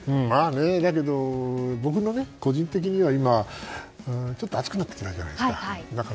だけど、僕は個人的には暑くなってきたじゃないですか。